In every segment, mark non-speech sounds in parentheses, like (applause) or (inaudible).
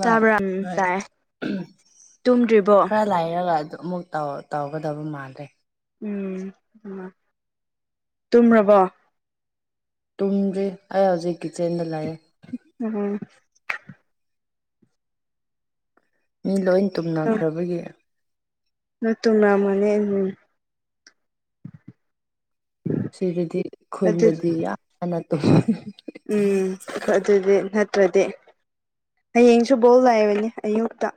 ꯇꯥꯕ꯭ꯔꯥ ꯎꯝ ꯍꯣꯏ ꯇꯥꯏ ꯇꯨꯝꯗ꯭ꯔꯤꯕꯣ ꯈꯔ ꯂꯥꯏꯔꯒ ꯑꯗꯨꯝ ꯑꯃꯨꯛ ꯇꯧ ꯇꯧꯒꯗꯕ ꯃꯥꯜꯂꯦ ꯎꯝ ꯎꯝ ꯇꯨꯝꯔꯕꯣ ꯇꯨꯝꯗ꯭ꯔꯤ ꯑꯩ ꯍꯧꯖꯤꯛ ꯀꯤꯠꯆꯦꯟꯗ ꯂꯩꯑꯦ ꯎꯝ ꯃꯤ ꯂꯣꯏ ꯇꯨꯝꯅꯈ꯭ꯔꯕꯒꯤ (unintelligible) ꯁꯤꯗꯗꯤ ꯑꯗꯨ ꯈꯨꯣꯏꯗꯗꯤ ꯌꯥꯅ ꯇꯨꯝ (unintelligible) ꯎꯝ (unintelligible) ꯑꯗꯨꯗꯤ ꯅꯠ ꯅꯠꯇ꯭ꯔꯗꯤ ꯍꯌꯦꯡꯁꯨ ꯕꯣꯜ ꯂꯥꯏꯕꯅꯦ ꯑꯌꯨꯛꯇ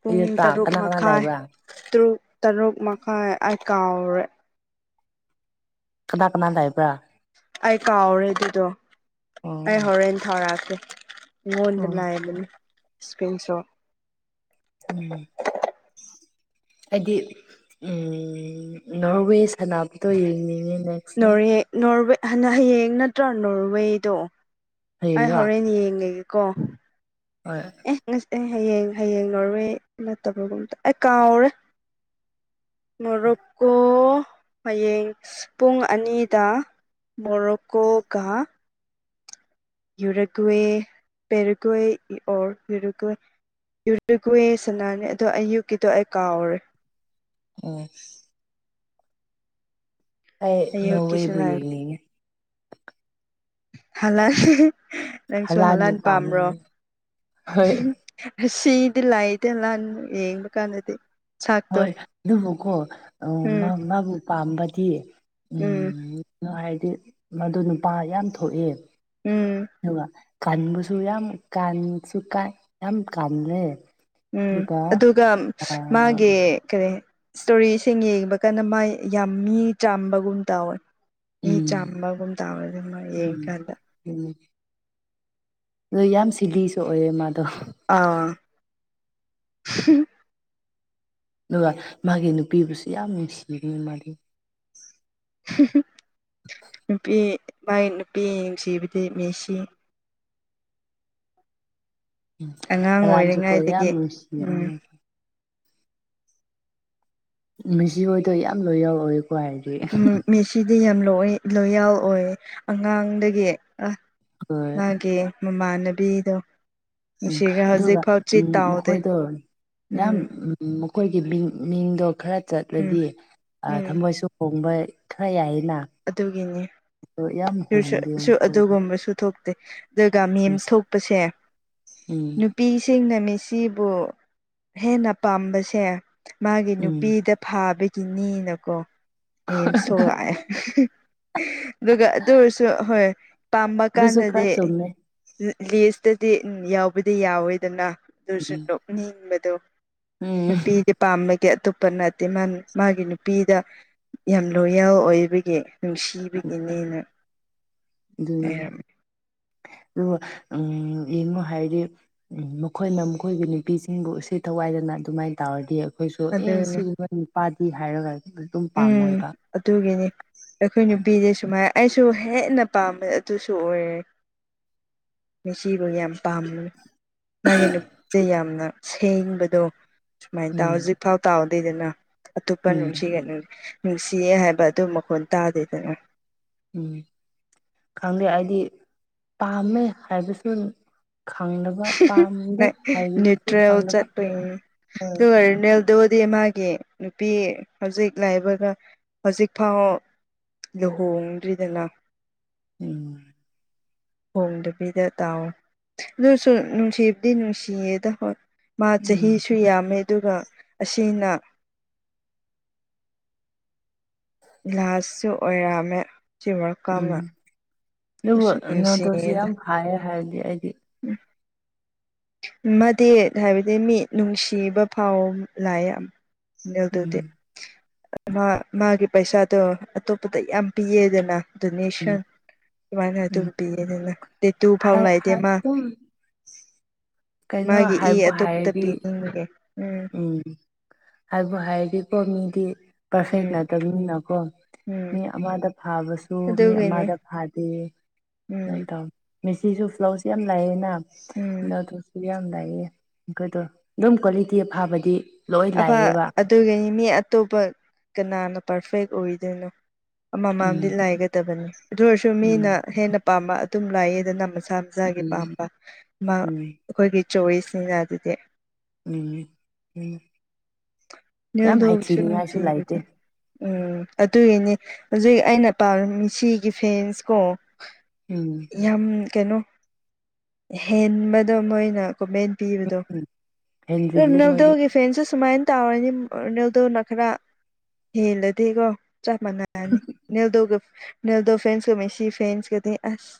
ꯄꯨꯡ ꯑꯌꯨꯛꯇ ꯇꯔꯨꯛ ꯀꯅꯥ ꯀꯅꯥ ꯃꯈꯥꯏ ꯂꯩꯕ꯭ꯔꯥ ꯇꯔꯨꯛ ꯇꯔꯨꯛ ꯃꯈꯥꯏ ꯑꯩ ꯀꯥꯎꯔꯦ ꯀꯅꯥ ꯀꯅꯥ ꯂꯥꯏꯕ꯭ꯔꯥ ꯑꯩ ꯀꯥꯎꯔꯦ ꯑꯗꯨꯗꯣ ꯑꯣ ꯑꯩ ꯑꯣ ꯍꯣꯔꯦꯟ ꯊꯧꯔꯛꯀꯦ ꯉꯣꯟꯗ ꯑꯣ ꯂꯩꯕꯅꯦ ꯁꯀ꯭ꯔꯤꯟ ꯁꯣꯠ ꯎꯝ ꯑꯩꯗꯤ ꯎꯝ ꯅꯣꯔꯋꯦꯁ ꯁꯅꯥꯕꯗꯣ ꯌꯦꯡꯅꯤꯡꯉꯤ ꯅꯦꯛꯁꯇ ꯅꯣꯔꯋꯦ (unintelligible) ꯍꯌꯦꯡ ꯅꯠꯇ꯭ꯔꯥ ꯅꯣꯔꯋꯦꯗꯣ ꯑꯩ ꯍꯌꯦꯡꯔꯣ ꯍꯣꯔꯦꯟ ꯌꯦꯡꯉꯒꯦꯀꯣ ꯍꯣꯏ ꯉꯁꯤ ꯑꯦ ꯍꯌꯦꯡ ꯍꯌꯦꯡ ꯅꯣꯔꯋꯦ ꯅꯠꯇꯕꯒꯨꯝꯇꯧ ꯑꯩ ꯀꯥꯎꯔꯦ ꯃꯣꯔꯨꯞꯀꯣ ꯍꯌꯦꯡ ꯄꯨꯡ ꯑꯅꯤꯗ ꯃꯣꯔꯣꯀꯣꯀꯥ ꯌꯨꯔꯣꯀꯋꯦ ꯄꯦꯔꯣꯀꯋꯦ ꯑꯣꯔ ꯌꯨꯔꯣꯀꯋꯦ ꯌꯨꯔꯨꯀꯋꯦ ꯁꯥꯟꯅꯅꯤ ꯑꯗꯣ ꯑꯌꯨꯛꯀꯤꯗꯣ ꯑꯩ ꯀꯥꯎꯔꯦ ꯎꯝ ꯑꯩ ꯑꯌꯨꯛꯀꯤꯁꯨ ꯅꯣꯋꯦꯕꯨ ꯂꯩ ꯌꯦꯡꯅꯤꯡꯉꯦ ꯍꯂꯥꯟ (unintelligible) ꯅꯪꯁꯨ ꯍꯂꯥꯟꯕꯨ ꯍꯂꯥꯟ ꯄꯥꯝꯃꯦ ꯄꯥꯝꯕ꯭ꯔꯣ ꯍꯣꯏ (unintelligible) (unintelligible) ꯌꯦꯡꯕ ꯀꯥꯟꯗꯗꯤ ꯁꯥꯛꯇꯣ ꯍꯣꯏ ꯑꯗꯨꯕꯨꯀꯣ ꯑꯝ ꯎꯝ ꯃꯥ ꯃꯥꯕꯨ ꯄꯥꯝꯕꯗꯤ ꯎꯝ (unintelligible) ꯍꯥꯏꯗꯤ ꯃꯗꯨ ꯅꯨꯄꯥ ꯌꯥꯝ ꯊꯣꯛꯑꯦ ꯎꯝ ꯑꯗꯨꯒ ꯀꯟꯕꯁꯨ ꯌꯥꯝ ꯀꯥꯟꯁꯨꯀꯥꯟ ꯌꯥꯝ ꯀꯥꯟꯂꯦ ꯎꯝ ꯑꯗꯨꯒ ꯃꯥꯒꯤ ꯀꯔꯤ ꯁꯇꯣꯔꯤꯁꯤꯡ ꯌꯦꯡꯕ ꯀꯥꯟꯗ ꯃꯥ ꯌꯥꯝ ꯃꯤ ꯆꯥꯝꯕꯒꯨꯝ ꯇꯧꯋꯦ ꯃꯤ ꯎꯝ ꯆꯥꯝꯕꯒꯨꯝ ꯇꯥꯕꯗꯃ ꯎꯝ ꯌꯦꯡꯀꯥꯟꯗ ꯑꯗꯨ ꯌꯥꯝ ꯁꯤꯂꯤꯁꯨ ꯑꯣꯏꯑꯦ ꯃꯥꯗꯣ ꯑꯥ (unintelligible) ꯑꯗꯨꯒ ꯃꯥꯒꯤ ꯅꯨꯄꯤꯕꯨꯁꯨ ꯌꯥꯝ ꯅꯨꯡꯁꯤꯕꯤ ꯃꯥꯗꯤ (unintelligible) ꯅꯨꯄꯤ ꯃꯥꯏ ꯅꯨꯄꯤ ꯌꯦꯡꯁꯤꯕꯗꯤ ꯃꯦꯁꯤ ꯑꯉꯥꯡ ꯍꯂꯥꯟꯆꯨ ꯀꯣ ꯌꯥꯝ ꯑꯣꯏꯔꯤꯉꯩꯗꯒꯤ ꯎꯝ ꯅꯨꯡꯁꯤꯕꯅꯦ ꯃꯦꯁꯤ ꯍꯣꯏꯗꯣ ꯌꯥꯝ ꯂꯣꯏꯌꯜ ꯑꯣꯢꯀꯣ ꯍꯥꯏꯗꯤ ꯗꯤ ꯌꯥꯝ ꯂꯣꯏ ꯂꯣꯏꯌꯜ ꯑꯣꯏ ꯑꯉꯥꯡꯗꯒꯤ ꯍꯣꯏ (unintelligible) ꯃꯃꯥꯟꯅꯕꯤꯗꯣ ꯎꯝ ꯅꯨꯡꯁꯤꯔꯒ ꯑꯗꯨꯒ ꯍꯧꯖꯤꯛꯐꯥꯎ ꯆꯤꯠ ꯎꯝ ꯇꯥꯎꯗꯦ ꯑꯩꯈꯣꯏꯗꯣ ꯃꯌꯥꯝ ꯎꯝ ꯃꯈꯣꯏꯒꯤ ꯃꯤꯡ ꯃꯤꯡꯗꯣ ꯈꯔ ꯎꯝ ꯆꯠꯂꯗꯤ ꯑ ꯎꯝ ꯊꯃꯣꯏꯁꯨ ꯍꯣꯡꯕ ꯈꯔ ꯌꯥꯏ ꯑꯗꯨꯒꯤꯅꯤ ꯑꯗꯨꯁꯨ ꯍꯣꯡꯗꯦ ꯁꯨ ꯃꯈꯣꯏꯗꯣ ꯑꯗꯨꯒꯨꯝꯕꯁꯨ ꯊꯣꯛ (unintelligible) ꯑꯗꯨꯒ ꯎꯝ ꯃꯤꯝꯁ ꯊꯣꯛꯄꯁꯦ ꯎꯝ ꯅꯨꯄꯤꯁꯤꯡꯅ ꯃꯤ ꯃꯦꯁꯤꯕꯨ ꯍꯦꯟꯅ ꯄꯥꯝꯕꯁꯦ ꯃꯥꯒꯤ ꯎꯝ ꯅꯨꯄꯤꯗ ꯐꯥꯕ ꯀꯤꯅꯤꯅꯀꯣ ꯃꯤꯝꯁ ꯊꯣꯛꯂꯛꯑꯦ (unintelligible) ꯑꯗꯨꯒ ꯑꯗꯨ ꯑꯣꯏꯔꯁꯨ ꯍꯣꯏ ꯄꯥꯝꯕ ꯑꯗꯨꯁꯨ ꯈꯔ ꯀꯥꯟꯗꯗꯤ ꯆꯨꯝꯃꯦ ꯂꯤꯁꯇꯗꯤ ꯎꯝ ꯌꯥꯎꯕꯗꯤ ꯌꯥꯎꯋꯦꯗꯅ ꯑꯗꯨꯁꯨ ꯎꯝ ꯅꯣꯛꯅꯤꯡꯕꯗꯣ ꯎꯝ ꯅꯨꯄꯤꯗꯤ ꯄꯥꯝꯃ ꯑꯇꯣꯞꯄ ꯅꯠꯇꯦ ꯃꯥ ꯃꯥꯒꯤ ꯅꯨꯄꯤꯗ ꯌꯥꯝ ꯂꯣꯌꯦꯜ ꯑꯣꯏꯕꯒꯤ (unintelligible) ꯅꯨꯡꯁꯤꯕꯒꯤꯅꯦꯅ ꯑꯗꯨ (unintelligible) ꯍꯥꯏꯔꯝꯃꯦ ꯑꯗꯨꯒ ꯎꯝ ꯌꯦꯡꯉꯣ ꯍꯥꯏꯗꯤ ꯃꯈꯣꯏꯅ ꯃꯈꯣꯏꯒꯤ ꯅꯨꯄꯤꯁꯤꯡꯕꯨ ꯎꯁꯤꯠ ꯊꯧ ꯊꯋꯥꯏꯗꯅ ꯑꯗꯨꯃꯥꯏꯅ ꯇꯧꯔꯗꯤ ꯑꯩꯈꯣꯏꯁꯨ ꯑꯦ ꯑꯗꯨꯅꯦ ꯁꯤꯒꯨꯝꯕ ꯅꯨꯄꯥꯥꯗꯤ ꯍꯥꯏꯔꯒ ꯑꯗꯨꯝ ꯎꯝ ꯄꯥꯝꯃꯣꯏꯕ ꯑꯗꯨꯒꯤꯅꯤ ꯑꯩꯈꯣꯏ ꯅꯨꯄꯤꯗꯤ ꯁꯨꯃꯥꯏ ꯑꯩꯁꯨ ꯍꯦꯟꯅ ꯄꯥꯝꯃꯦ ꯑꯗꯨꯁꯨ ꯑꯣꯏꯔꯦ ꯃꯦꯁꯤꯕꯨ ꯌꯥꯝ ꯄꯥꯝꯕꯅꯦ ꯃꯥꯒꯤ ꯅꯨꯄꯤ ꯌꯥꯝꯅ ꯁꯦꯡꯕꯗꯣ ꯁꯨꯃꯥꯏꯅ ꯇꯥ ꯎꯝ ꯍꯧꯖꯤꯛꯐꯥꯎ ꯇꯥꯎ ꯂꯩꯗꯅ ꯑꯇꯣꯞꯄ ꯎꯝ ꯅꯨꯡꯁꯤꯒꯅꯤ ꯅꯨꯡꯁꯤꯌꯦ ꯍꯥꯏꯕ ꯑꯗꯨ ꯃꯈꯣꯟ ꯇꯥꯗꯦꯗꯅ ꯎꯝ ꯈꯪꯗꯦ ꯑꯩꯗꯤ ꯄꯥꯝꯃꯦ ꯍꯥꯏꯕꯁꯨ ꯈꯪꯗꯕ ꯄꯥꯝꯗꯦ (unintelligible) ꯍꯥꯏꯕꯁꯨ ꯅ꯭ꯌꯨꯇ꯭ꯔꯦꯜ ꯈꯪꯗꯕ ꯆꯠꯄꯩꯅꯦ ꯍꯣꯏ ꯗꯨꯒ ꯔꯅꯦꯜ ꯑꯗꯨꯗꯤ ꯃꯥꯒꯤ ꯅꯨꯄꯤ ꯍꯧꯖꯤꯛ ꯂꯥꯢꯕꯒ ꯍꯧꯖꯤꯛ ꯐꯥꯎ ꯂꯨꯍꯣꯡꯗ꯭ꯔꯤꯗꯅ ꯎꯝ ꯍꯣꯡꯗꯕꯤꯗ ꯇꯥꯎꯑꯣ ꯑꯗꯨ ꯅꯨꯡꯁꯤꯕꯗꯤ ꯅꯨꯡꯁꯤꯌꯦꯗ ꯍꯣꯢ ꯃꯥ ꯎꯝ ꯆꯍꯤꯁꯨ ꯌꯥꯝꯃꯦ ꯑꯗꯨꯒ ꯑꯁꯤꯅ ꯂꯥꯁꯁꯨ ꯑꯣꯏꯔꯝꯃꯦ ꯁꯤ ꯋꯥ ꯎꯝ ꯀꯞꯅ ꯑꯗꯨꯕꯨ ꯅꯨꯡꯁꯨ ꯅꯣꯇꯣꯁꯤ ꯅꯨꯡꯁꯤꯑꯦꯗ ꯌꯥꯝ ꯐꯥꯏꯌꯦ ꯍꯥꯏꯔꯗꯤ ꯑꯩꯗꯤ ꯎꯝ ꯃꯙꯦꯠ ꯍꯥꯏꯕꯗꯤ ꯃꯤꯠ ꯅꯨꯡꯁꯤꯕ ꯐꯥꯎ ꯂꯥꯏꯑ ꯑꯝ ꯃꯦꯜ ꯎꯝ ꯗꯨꯗꯤ ꯃꯥ ꯃꯥꯒꯤ ꯄꯩꯁꯥꯗꯣ ꯑꯇꯣꯞꯄꯗ ꯌꯥꯝ ꯄꯤꯌꯦꯗꯅ ꯎꯝ ꯗꯣꯅꯦꯁꯟ ꯑꯗꯨꯃꯥꯏꯅ ꯎꯝ ꯑꯗꯨꯝ ꯄꯤꯌꯦꯗꯅ ꯇꯦꯇꯨ ꯐꯥꯎ ꯍꯥꯏ ꯂꯥꯢꯇꯦ ꯍꯥꯏ ꯃꯥ (unintelligible) ꯀꯩꯅꯣ ꯃꯥꯒꯤ ꯏ ꯍꯥꯏꯕꯨ ꯑꯇꯣꯞꯄꯇ ꯍꯥꯏꯔꯗꯤ ꯄꯤꯅꯤꯡꯕꯒꯦ ꯎꯝ ꯍꯥꯏꯕꯨ ꯍꯥꯏꯔꯗꯤꯀꯣ ꯃꯤꯗꯤ ꯄꯔꯐꯦꯛ ꯎꯝ ꯅꯠꯇꯕꯅꯤꯅꯀꯣ ꯎꯝ ꯃꯤ ꯑꯃꯗ ꯐꯥꯕꯁꯨ ꯃꯤ ꯑꯗꯨꯒꯤꯅꯦ ꯑꯃꯗ ꯐꯥꯗꯦ ꯎꯝ ꯁꯃꯥꯏꯅ ꯇꯧ ꯃꯦꯁꯤꯁꯨ ꯐ꯭ꯂꯣꯁꯁꯨ ꯌꯥꯝ ꯂꯥꯛꯑꯦꯅ ꯎꯝ ꯀꯦꯅꯣꯗꯁꯨ ꯌꯥꯝ ꯂꯥꯛꯌꯦ (unintelligible) ꯗꯣ ꯑꯗꯨꯝ ꯀ꯭ꯋꯥꯂꯤꯇꯤ ꯑꯐꯥꯕꯗꯤ ꯂꯣꯏ ꯑꯃ ꯂꯥꯛꯑꯦꯕ ꯑꯗꯨꯒꯅꯤ ꯃꯤ ꯑꯇꯣꯞꯄ ꯀꯅꯥꯅ ꯄꯥꯔꯐꯦꯛ ꯑꯣꯏꯗꯣꯏꯅꯣ ꯑꯃꯃꯝꯗꯤ ꯎꯝ ꯂꯥꯏꯒꯗꯕꯅꯤ ꯑꯗꯨ ꯑꯣꯏꯔꯁꯨ ꯃꯤꯅ ꯎꯝ ꯍꯦꯟꯅ ꯄꯥꯝꯕ ꯑꯗꯨꯝ ꯂꯥꯏꯌꯦꯗ ꯃꯁꯥ ꯃꯁꯥꯒꯤ ꯎꯝ ꯄꯥꯝꯕ ꯑꯃ ꯎꯝ ꯑꯩꯈꯣꯏꯒꯤ ꯆꯣꯏꯁꯅꯤꯅ ꯑꯗꯨꯗꯤ ꯎꯝ ꯎꯝ ꯅꯦꯜ ꯌꯥꯝ ꯗꯣ ꯁꯨ (unintelligible) ꯍꯥꯏꯊꯤꯅꯤꯡꯉꯥꯏꯁꯨ ꯂꯩꯇꯦ ꯎꯝ ꯑꯗꯨꯒꯤꯅꯦ ꯍꯧꯖꯤꯛ ꯑꯩꯅ ꯄꯥꯝꯂꯝꯃꯤꯁꯤꯒꯤ ꯐꯦꯟꯁ ꯀꯣ ꯎꯝ ꯌꯥꯝ ꯀꯩꯅꯣ ꯍꯦꯟꯕꯗꯣ ꯃꯣꯏꯅ ꯀꯣꯃꯦꯟ ꯄꯤꯕꯗꯣ ꯎꯝ ꯍꯦꯟꯖꯤꯜꯂꯤ ꯃꯣꯏꯗꯤ ꯔꯣꯅꯥꯜꯗꯣꯒꯤ ꯐꯦꯟꯁ ꯁꯨꯃꯥꯏꯅ ꯇꯧꯔꯅꯤ ꯔꯣꯅꯦꯜꯗꯣꯅ ꯈꯔ ꯍꯦꯜꯂꯗꯤꯀꯣ ꯆꯞ ꯃꯅꯔꯅꯤ ꯅꯦꯜꯗꯣꯒ ꯅꯦꯜꯗꯣ ꯐꯦꯟꯁꯁꯨ ꯃꯦꯁꯤ ꯐꯦꯟꯁꯀꯗꯤ ꯑꯁ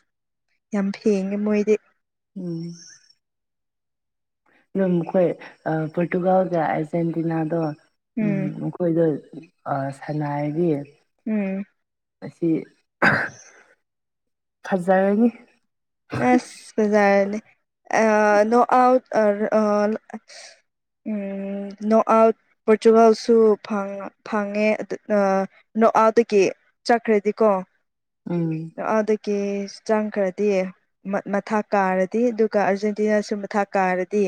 ꯌꯥꯝ ꯐꯦꯡꯉꯦ ꯃꯣꯏꯗꯤ ꯎꯝ ꯌꯝꯈꯣꯏ ꯑꯥ ꯄꯣꯔꯇꯨꯒꯥꯜꯒ ꯑꯥꯔꯖꯦꯟꯇꯤꯅꯥꯗꯣ ꯎꯝ ꯃꯈꯣꯏꯗꯣ ꯥꯑꯥ ꯁꯅꯥꯏꯔꯤ ꯎꯝ ꯑꯁꯤ ꯐꯖꯔꯅꯤ ꯑꯁ ꯐꯖꯔꯅꯤ ꯑꯥ ꯅꯣ ꯑꯥꯎꯠ ꯑꯥ ꯎꯝ ꯅꯣ ꯑꯎꯠ ꯄꯣꯔꯇꯨꯒꯥꯜꯁꯨ ꯐꯪ ꯐꯪꯉꯦ ꯑꯗꯨꯒ ꯅꯣ ꯑꯎꯠ ꯆꯠꯈ꯭ꯔꯗꯤꯀꯣ ꯎꯝ ꯀꯦ꯭ꯁ ꯆꯥꯡꯈ꯭ꯔꯗꯤ ꯃꯊꯥ ꯀꯥꯔꯗꯤ ꯑꯗꯨꯒ ꯑꯥꯔꯖꯦꯟꯇꯤꯅꯥꯁꯨ ꯃꯊꯥ ꯀꯥꯔꯗꯤ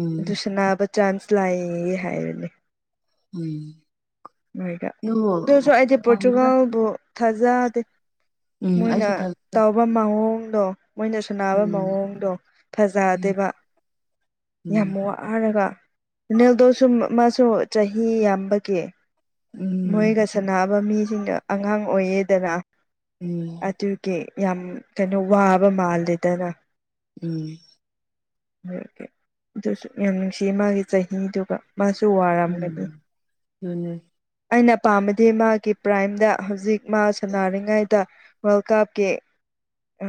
ꯎꯝ ꯑꯗꯨ ꯁꯅꯥꯕ ꯆꯥꯟꯁ ꯂꯥꯛꯑꯦꯌꯦ ꯍꯥꯏꯔꯅꯤ ꯎꯝ ꯃꯦꯒ ꯑꯗꯨꯕꯨ ꯑꯗꯨꯁꯨ ꯑꯩꯗꯤ ꯈꯪꯗꯦꯗ ꯄꯣꯔꯇꯨꯒꯜꯕꯨ ꯊꯥꯖꯗꯦ ꯎꯝ ꯃꯣꯏꯅ ꯑꯩꯁꯨ ꯊꯥ ꯇꯧꯕ ꯃꯑꯣꯡ ꯃꯣꯏꯅ ꯁꯅꯥꯕ ꯎꯝ ꯃꯑꯣꯡꯗꯣ ꯎꯝ ꯐꯖꯗꯦꯕ ꯎꯝ ꯌꯥꯝ ꯋꯥꯔꯒ ꯅꯦꯜꯗꯣꯁꯨ ꯃꯥꯁꯨ ꯆꯍꯤ ꯌꯥꯝꯕꯒꯤ ꯎꯝ ꯃꯣꯏꯒ ꯁꯥꯟꯅꯥꯅꯕ ꯃꯤꯁꯤꯡꯗ ꯑꯉꯥꯡ ꯑꯣꯏꯌꯦꯗꯅ ꯎꯝ ꯑꯗꯨꯒꯤ ꯌꯥꯝ ꯀꯩꯅꯣ ꯋꯥꯕ ꯃꯥꯜꯂꯦꯗꯅ ꯎꯝ ꯃꯦꯁꯤ ꯑꯗꯨꯁꯨ ꯌꯥꯝ ꯅꯨꯡꯁꯤꯌꯦ ꯃꯥꯒꯤ ꯆꯍꯤꯗꯨꯒ ꯃꯥꯁꯨ ꯎꯝ ꯋꯥꯔꯝꯒꯅꯤ ꯑꯗꯨꯅꯦ ꯑꯩꯅ ꯄꯥꯝꯕꯗꯤ ꯃ ꯃꯥꯒꯤ ꯄ꯭ꯔꯥꯏꯝꯗ ꯍꯧꯖꯤꯛ ꯃꯥ ꯁꯥꯟꯅꯔꯤꯉꯩꯗ ꯋꯥꯔꯜ ꯀꯥꯞꯀꯤ ꯑ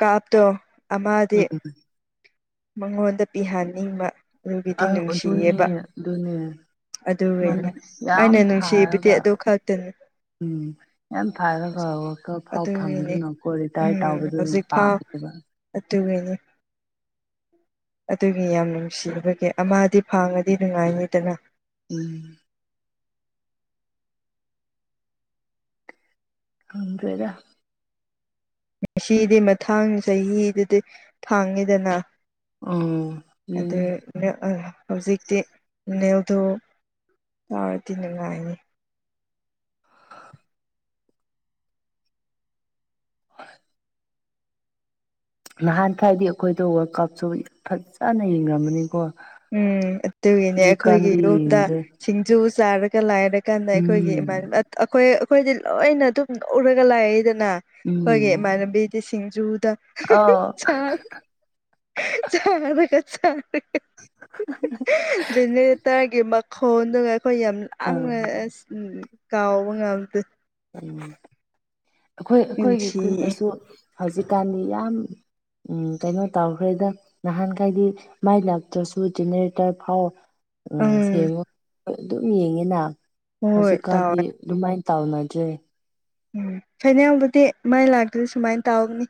ꯀꯥꯞꯇꯣ ꯑꯃꯗꯤ ꯎꯝ ꯃꯉꯣꯟꯗ ꯄꯤꯍꯟꯅꯤꯡꯕ ꯑꯗꯨꯒꯤꯗꯤ ꯑ ꯑꯗꯨꯅꯦ ꯅꯨꯡꯁꯤꯌꯦꯕ ꯑꯗꯨꯅꯦ ꯑꯗꯨꯅꯤ ꯃꯣꯏꯅ ꯑꯩꯅ ꯌꯥꯝ ꯅꯨꯡꯁꯤꯕꯗꯤ ꯑꯗꯨ ꯐꯥꯔꯒ ꯈꯇꯅꯦ ꯎꯝ ꯌꯥꯝ ꯐꯔ ꯐꯕ ꯈꯔ ꯑꯩꯈꯣꯏꯐꯥꯎ ꯑꯗꯨꯒꯤꯅꯤ ꯐꯪꯗꯣꯏꯅꯣ ꯀꯣꯔꯔꯤꯇꯌꯔ ꯇꯧꯕꯗꯣ ꯅꯨꯄ ꯃꯟꯅꯦ ꯇꯨꯃꯤꯅꯦ ꯑꯗꯨꯒꯤ ꯌꯥꯝ ꯅꯨꯡꯁꯤꯕꯒꯤ ꯑꯃꯗꯤ ꯐꯥꯡꯉꯗꯤ ꯅꯨꯡꯉꯥꯏꯅꯤꯗꯅ ꯎꯝ ꯈꯪꯗ꯭ꯔꯦꯗ ꯉꯁꯤꯗꯤ ꯃꯊꯥꯡ ꯆꯍꯤꯗꯗꯤ ꯊꯥꯡꯉꯤꯗꯅ ꯎꯝ ꯎꯝ ꯑꯗꯨ ꯅꯑꯥ ꯍꯧꯖꯤꯛꯇꯤ ꯅꯦꯜꯗꯣ ꯌꯥꯎꯔꯗꯤ ꯅꯨꯡꯉꯥꯏꯅꯤ ꯅꯍꯥꯟꯈꯩꯗꯤ ꯑꯩꯈꯣꯏꯗꯣ ꯋꯔꯜ ꯀꯞꯁꯨ ꯐꯖꯅ ꯌꯦꯡꯉꯝꯃꯅꯤꯀꯣ ꯎꯝ ꯑꯗꯨꯒꯤꯅꯦ ꯑꯩꯈꯣꯏꯒꯤ ꯌꯨꯝꯗ ꯌꯦꯡꯗ꯭ꯔꯦ ꯁꯤꯡꯖꯨ ꯆꯥꯔꯒ ꯂꯥꯏꯔꯤ ꯀꯥꯟꯗ ꯑꯩꯈꯣꯏꯒꯤ ꯏꯥꯟ ꯎꯝ ꯑꯩꯈꯣꯏ ꯑꯩꯈꯣꯏꯗꯤ ꯂꯣꯏꯅ ꯑꯗꯨꯝ ꯎꯔꯒ ꯂꯥꯛꯏꯗꯅ ꯅ ꯎꯝ ꯈꯣꯢꯒꯤ ꯢꯃꯥꯟꯕꯤꯗꯤ ꯁꯤꯡꯖꯨ ꯍꯨ ꯍꯨ ꯑꯥ ꯆ ꯆꯕꯗ ꯆꯕꯗ ꯍꯦ ꯍꯦ ꯖꯦꯅꯦꯔꯦꯇꯔꯒꯤ ꯃꯈꯣꯟꯗꯨꯅ ꯑꯩꯈꯣꯏ ꯌꯥꯝ ꯑꯥ ꯂꯥꯡꯅ ꯑꯁ ꯀꯥꯎꯕ ꯉꯝꯗꯦ ꯎꯝ ꯑꯩꯈꯣꯏ ꯑꯩꯈꯣꯏꯒꯤ ꯅꯨꯡꯁꯤꯌꯦ ꯈꯨꯟꯗꯁꯨ ꯍꯧꯖꯤꯛꯀꯥꯟꯗꯤ ꯌꯥꯝ ꯎꯝ ꯀꯩꯅꯣ ꯇꯧꯈ꯭ꯔꯦꯗ ꯅꯍꯥꯟꯈꯩꯗꯤ ꯃꯩ ꯂꯥꯛꯇ꯭ꯔꯁꯨ ꯖꯦꯅꯦꯔꯦꯇꯔ ꯐꯥꯎ ꯑꯥ ꯎꯝ ꯁꯦꯝꯃꯣ ꯑꯗꯨꯝ ꯌꯦꯡꯉꯤꯅ ꯍꯣꯏ ꯍꯧꯖꯤꯛꯀꯥꯟꯗꯤ ꯇꯥꯎꯋꯦ ꯑꯗꯨꯃꯥꯏꯅ ꯇꯧꯅ ꯊꯦꯡꯉꯦ ꯎꯝ ꯐꯥꯏꯅꯦꯜꯕꯨꯗꯤ ꯃꯩ ꯂꯥꯛꯇ꯭ꯔꯁꯨ ꯁꯨꯃꯥꯏꯅ ꯇꯧꯒꯅꯤ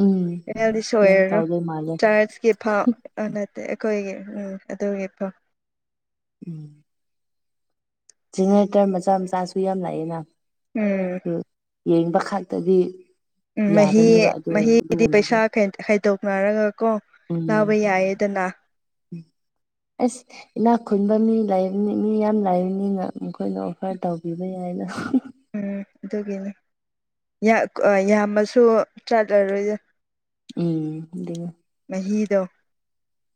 ꯎꯝ ꯐꯥꯢꯅꯦꯜꯗꯤ ꯑꯗꯨꯃꯥꯏꯅ ꯁꯣꯏꯔꯔꯣ ꯇꯧꯗꯣꯏ ꯃꯥꯜꯂꯦ ꯆꯥꯔꯀꯤꯐꯧ ꯑ ꯅ ꯗꯦ ꯑꯩꯈꯣꯏꯒꯤ ꯎꯝ ꯑꯗꯨꯒꯤ ꯀꯣ ꯎꯝ ꯖꯦꯅꯦꯔꯦꯇꯔ ꯃꯆꯥ ꯃꯆꯥꯁꯨ ꯌꯥꯝ ꯂꯥꯛꯑꯦꯅ ꯎꯝ ꯌꯦꯡꯕꯈꯥꯛꯇꯗꯤ ꯎꯝ ꯃꯍꯤ ꯃꯍꯤꯗꯤ ꯄꯩꯁꯥ ꯈꯩ ꯈꯥꯏꯗꯣꯛꯅꯔꯒ ꯀꯣ ꯎꯝ ꯅꯥꯕ ꯌꯥꯏꯌꯦꯗꯅ (inaudible) ꯑꯁ ꯏꯅꯥꯛ ꯈꯨꯟꯕ ꯃꯤ ꯂꯩꯕꯅꯤ ꯃꯤ ꯌꯥꯝ ꯂꯥꯏꯕꯅꯤꯅ ꯃꯈꯣꯏꯅ ꯑꯣꯐꯔ ꯇꯧꯕꯤꯕ ꯌꯥꯏꯅ ꯍꯨ ꯎꯝ ꯑꯗꯨꯒꯤꯅꯤ ꯌꯥ ꯀ ꯌꯥꯝꯃꯁꯨ ꯆꯠꯂꯔꯣꯏꯗ ꯎꯝ ꯗꯤꯒ ꯗꯣ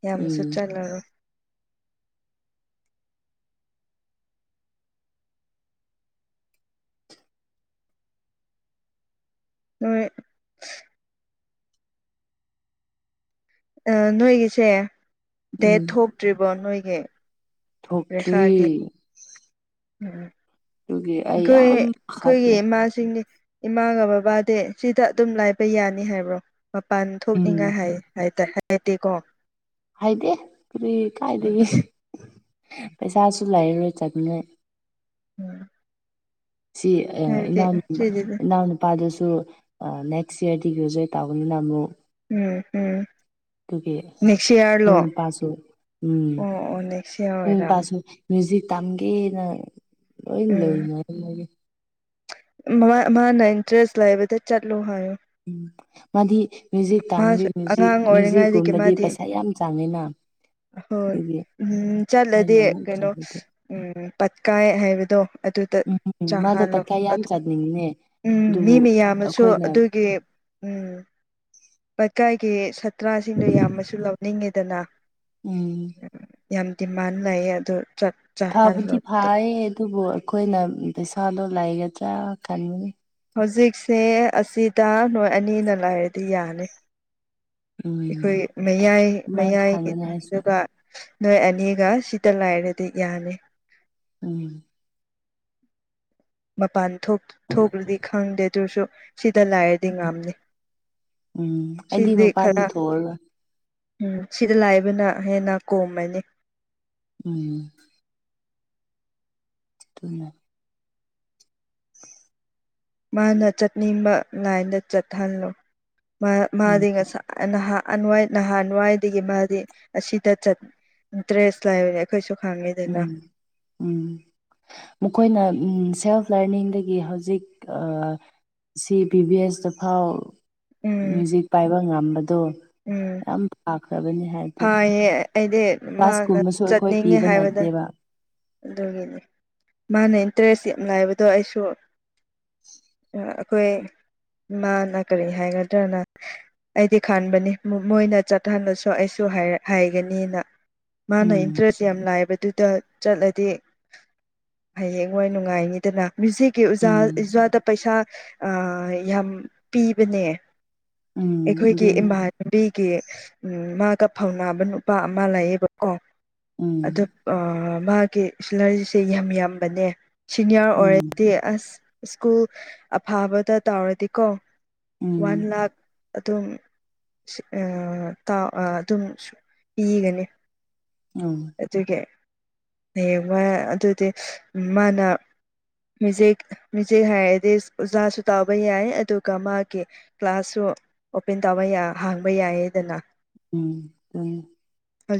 ꯌꯥꯝꯃꯁꯨ ꯆꯠꯂꯔꯣꯢ ꯅꯣꯢ ꯑꯥ ꯅꯣꯏꯒꯤꯁꯦ ꯗꯦꯠ ꯎꯝ ꯊꯣꯛꯇ꯭ꯔꯤꯕꯣ ꯅꯣꯏꯒꯤ ꯊꯣꯛꯇ꯭ꯔꯤ ꯔꯦꯈꯥꯒꯤ ꯎꯝ ꯑꯗꯨꯒꯤ ꯑꯩ ꯑꯩꯈꯣꯏ ꯌꯥꯝ ꯑꯩꯈꯣꯏꯒꯤ ꯄꯥꯈꯠꯂꯦ ꯏꯃꯥꯁꯤꯡꯗꯤ ꯏꯃꯥꯒ ꯕꯕꯥꯗꯤ ꯁꯤꯗ ꯑꯗꯨꯝ ꯂꯩꯕ ꯌꯥꯅꯤ ꯍꯥꯏꯕ꯭ꯔꯣ ꯃꯄꯥꯟ ꯎꯝ ꯊꯣꯛꯅꯤꯡꯉꯥꯏ ꯍꯥꯏꯌꯦ ꯍꯥꯏꯗꯥꯏ ꯍꯥꯏꯗꯦꯀꯣ ꯍꯥꯏꯗꯦ ꯀꯔꯤ ꯀꯥꯏꯗꯒꯤ ꯄꯩꯁꯥꯁꯨ ꯂꯩꯔꯔꯣꯏ ꯆꯠꯅꯤꯉꯥꯏ (unintelligible) ꯁꯤ ꯑꯦ ꯍꯥꯏꯕꯗꯤ ꯏꯅꯥꯎ ꯅꯨ ꯁꯤꯗꯤ ꯏꯅꯥꯎ ꯅꯨꯄꯥꯗꯁꯨ ꯇꯨ ꯑꯥ ꯅꯦꯛꯁꯠ ꯏꯌꯥꯔ ꯗꯤ (unintelligible) ꯎꯝ ꯎꯝ ꯑꯗꯨꯒꯤ ꯅꯦꯛꯁ ꯑꯗꯨ ꯏꯌꯥꯔꯂꯣ ꯅꯨꯄꯥꯁꯨ ꯎꯝ ꯑꯣ ꯑꯣ ꯅꯦꯛꯁ ꯏꯌꯥꯔ ꯎꯝ ꯑꯣꯏꯔꯝ ꯇꯥꯁꯤ ꯃꯌꯨꯖꯤꯛ ꯇꯝꯒꯦꯅ ꯂꯣꯏ ꯂꯣꯏ (unintelligible) ꯎꯝ ꯃꯥ ꯃꯥꯅ ꯏꯟꯇꯔꯦꯁ ꯂꯩꯕꯗ ꯆꯠꯂꯨ ꯍꯥꯏꯌꯣ ꯎꯝ ꯃꯥꯗꯤ ꯃ꯭ꯌꯨꯖꯤꯛ ꯇꯥꯝꯂꯤ ꯃꯥꯁꯨ ꯃ꯭ꯌꯨꯖꯤꯛ ꯑꯉꯥꯡ ꯑꯣꯏꯔꯤꯉꯩꯗꯒꯤ ꯃ꯭ꯌꯨꯖꯤꯛꯀꯨꯝꯕꯗꯤ ꯃꯥꯗꯤ ꯄꯩꯁꯥ ꯌꯥꯝ ꯆꯡꯉꯤꯅ ꯍꯣꯏ ꯎꯝ ꯆꯠꯂꯗꯤ ꯑꯃꯨꯛ ꯀꯩꯅꯣ ꯆꯠꯂꯨꯗꯦ ꯎꯝ ꯄꯠꯀꯥꯏ ꯍꯥꯏꯕꯗꯣ ꯑꯗꯨꯗ ꯎꯝ ꯃꯥꯗꯣ ꯆꯥꯍꯥꯜꯂꯣ ꯄꯩꯈꯥ ꯌꯥꯝ ꯆꯠꯅꯤꯡꯉꯦ ꯎꯝ ꯃꯤ ꯑꯗꯨꯕꯨ ꯃꯌꯥꯝꯅꯁꯨ ꯑꯩꯈꯣꯏꯅ ꯑꯗꯨꯒꯤ ꯎꯝ ꯄ ꯂꯩꯀꯥꯏꯒꯤ ꯁꯇ꯭ꯔꯥꯁꯤꯡꯗꯣ ꯌꯥꯝꯅꯁꯨ ꯂꯧꯅꯤꯡꯉꯤꯗꯅ ꯎꯝ ꯌꯥꯝ ꯗꯤꯃꯥꯟ ꯂꯩꯌꯦ ꯑꯗꯨ ꯆꯠ ꯆꯥꯍꯜꯂꯣ ꯐꯕꯨꯗꯤ ꯐꯥꯌꯦ ꯑꯗꯨꯕꯨ ꯑꯩꯈꯣꯏꯅ ꯄꯩꯁꯥꯗꯣ ꯂꯩꯔꯗ꯭ꯔꯥ ꯈꯟꯕꯅꯤ ꯍꯧꯖꯤꯛꯁꯦ ꯑꯁꯤꯗ ꯅꯣꯏ ꯑꯅꯤꯅ ꯂꯩꯔꯗꯤ ꯌꯥꯔꯦ ꯎꯝ ꯑꯩꯈꯣꯏ ꯃꯌꯥꯏ ꯑꯗꯨꯃꯥꯏꯅ ꯃꯌꯥꯏꯒꯤ ꯈꯟꯕꯅꯦ ꯑꯩꯁꯨ ꯑꯗꯨꯒ ꯅꯣꯏ ꯑꯅꯤꯒ ꯁꯤꯗ ꯂꯩꯔꯗꯤ ꯌꯥꯅꯤ ꯎꯝ ꯃꯄꯥꯟ ꯊꯣꯛ ꯊꯣꯛꯂꯗꯤ ꯈꯪꯗꯦ ꯑꯗꯨꯁꯨ ꯁꯤꯗ ꯂꯩꯔꯗꯤ ꯉꯝꯅꯤ ꯎꯝ ꯑꯩꯗꯤ ꯁꯤꯗꯤ ꯃꯄꯥꯟꯗꯤ ꯈꯔ ꯊꯣꯛꯑꯔꯣꯏ ꯎꯝ ꯁꯤꯗ ꯂꯩꯕꯅ ꯍꯦꯟꯅ ꯀꯣꯝꯃꯅꯤ ꯎꯝ ꯑꯗꯨꯅ ꯃꯥꯅ ꯆꯠꯅꯤꯡꯕ ꯂꯥꯏꯟꯗ ꯆꯠꯍꯜꯂꯣ ꯃꯥ ꯎꯝ ꯃꯥꯗꯤ ꯉꯁꯥꯢꯅ ꯍꯥ ꯑꯅꯨꯋꯥꯏ ꯅꯍꯥꯟꯋꯥꯏꯗꯒꯤ ꯃꯥꯗꯤ ꯑꯁꯤꯗ ꯆꯠ ꯗ꯭ꯔꯦꯁ ꯂꯩꯕꯅꯦ ꯑꯩꯈꯣꯏꯁꯨ ꯈꯪꯉꯤꯗꯅ ꯎꯝ ꯎꯝ ꯃꯈꯣꯏꯅ ꯎꯝ ꯁꯦꯜꯐ ꯂꯔꯅꯤꯡꯗꯒꯤ ꯍꯧꯖꯤꯛ ꯑꯥ ꯁꯤ ꯕꯤ ꯕꯤ ꯑꯦꯁ ꯇ ꯐꯥꯎ ꯎꯝ ꯃ꯭ꯌꯨꯖꯤꯛ ꯄꯥꯏꯕ ꯉꯝꯕꯗꯣ ꯎꯝ ꯌꯥꯝ ꯐꯥꯈ꯭ꯔꯕꯅꯤ ꯍꯥꯏꯕꯗꯤ ꯐꯩꯌꯦ ꯑꯩꯗꯤ ꯃꯥꯅ ꯀ꯭ꯂꯥꯁꯀꯨꯝꯕꯁꯨ ꯑꯩꯈꯣꯏ ꯆꯠꯅꯤꯡꯉꯦ ꯄꯤꯕ ꯍꯥꯏꯕꯗꯣ ꯅꯠꯇꯦꯕ ꯑꯗꯨꯒꯤꯅꯤ ꯃꯥꯅ ꯏꯟꯇꯔꯦꯁ ꯌꯥꯝ ꯂꯩꯕꯗꯣ ꯑꯩꯁꯨ ꯑꯥ ꯑꯈꯣꯏ ꯃꯥꯅ ꯀꯔꯤ ꯍꯥꯏꯒꯗ꯭ꯔꯥꯅ ꯑꯩꯗꯤ ꯈꯟꯕꯅꯤ ꯃꯣ ꯃꯣꯏꯅ ꯆꯠꯍꯟꯂꯁꯨ ꯑꯩꯁ ꯍꯥꯢ ꯍꯥꯏꯔꯛ ꯍꯥꯏꯒꯅꯤꯅ ꯃꯥꯅ ꯎꯝ ꯏꯟꯇꯔꯦꯁ ꯌꯥꯝ ꯂꯩꯕ ꯗꯨꯗ ꯆꯠꯂꯗꯤ ꯍꯌꯦꯡꯋꯥꯏ ꯅꯨꯡꯉꯥꯏꯅꯤꯗꯅ ꯃ꯭ꯌꯨꯖꯤꯛꯀꯤ ꯑꯣꯖꯥ ꯎꯝ ꯑꯣꯖꯥꯗ ꯄꯩꯁꯥ ꯑꯥ ꯌꯥꯝ ꯄꯤꯕꯅꯦ ꯎꯝ ꯑꯩꯈꯣꯏꯒꯤ ꯑꯗꯨꯅ ꯏꯃꯥꯟꯅꯕꯤ ꯀꯤ ꯎꯝ ꯃꯥꯒ ꯐꯧꯅꯥꯕ ꯅꯨꯄꯥ ꯑꯃ ꯂꯩꯌꯦꯕꯀꯣ ꯎꯝ ꯑꯗꯣ ꯑꯥ ꯃꯥꯒꯤ ꯁꯦꯂꯥꯔꯤꯁꯦ ꯌꯥꯝ ꯌꯥꯝꯕꯅꯦ ꯁꯤꯅꯤꯌꯥꯔ ꯎꯝ ꯑꯣꯏꯔꯗꯤ ꯑꯁ ꯁ꯭ꯀꯨꯜ ꯑꯐꯕꯗ ꯇꯧꯔꯗꯤ ꯀꯣ ꯎꯝ ꯋꯥꯟ ꯂꯥꯈ ꯑꯗꯨꯝ ꯁꯤ ꯑꯥ ꯀꯥꯎ ꯑ ꯑꯗꯨꯝꯁꯨ ꯄꯤꯒꯅꯤ ꯎꯝ ꯑꯗꯨꯒꯤ ꯍꯌꯦꯡꯋꯥꯢ ꯑꯗꯨꯗꯤ ꯎꯝ ꯃꯥꯅ ꯃ꯭ꯌꯨꯖꯤꯛ ꯃ꯭ꯌꯨꯖꯤꯛ ꯍꯥꯏꯔꯗꯤ ꯑꯣꯖꯥꯁꯨ ꯇꯧꯕ ꯌꯥꯏ ꯑꯗꯨꯒ ꯃꯥꯒꯤ ꯀ꯭ꯂꯥꯁꯁꯨ ꯑꯣꯄꯦꯟ ꯇꯧꯕ ꯌꯥ ꯍꯥꯡꯕ ꯌꯥꯏꯌꯦꯗꯅ ꯎꯝ ꯎꯝ ꯍꯧꯖꯤꯛ